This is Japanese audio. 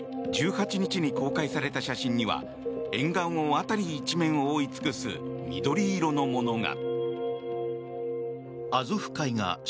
１８日に公開された写真には沿岸を辺り一面覆い尽くす緑色のものが。